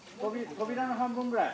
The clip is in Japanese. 扉の半分ぐらい？